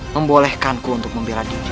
membolehkanku untuk membela diri